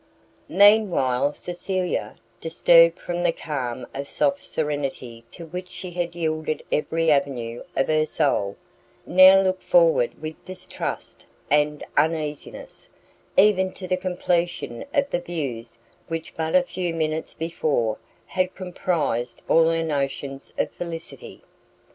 Mean while Cecilia, disturbed from the calm of soft serenity to which she had yielded every avenue of her soul, now looked forward with distrust and uneasiness, even to the completion of the views which but a few minutes before had comprised all her notions of felicity.